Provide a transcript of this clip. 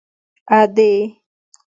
_ادې!!!